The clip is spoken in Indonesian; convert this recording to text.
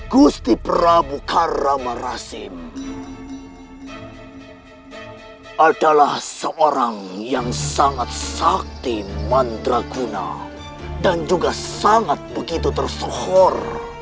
gusti prabu karama rasim adalah seorang yang sangat sakti mandraguna dan juga sangat begitu tersohor